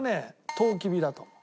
とうきびだと思う。